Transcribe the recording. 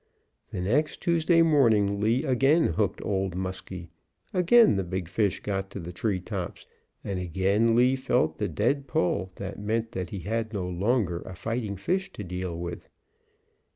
The next Tuesday morning Lee again hooked Old Muskie. Again the big fish got to the treetops, and again Lee felt the dead pull that meant that he had no longer a fighting fish to deal with.